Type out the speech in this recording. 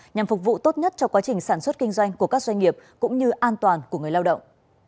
nhằm phục vụ tốt nhất cho quá trình sản xuất kinh doanh của các doanh nghiệp cũng như an toàn của người lao động